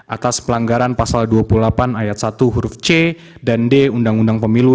atas pelanggaran pasal dua puluh delapan ayat satu huruf c dan d undang undang pemilu